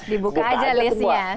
dibuka aja lesnya